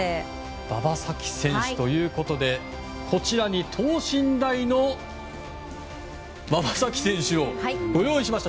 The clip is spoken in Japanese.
馬場咲希選手ということでこちらに等身大の馬場咲希選手をご用意しました。